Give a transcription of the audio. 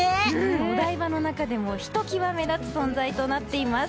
お台場の中でもひときわ目立つ存在となっています。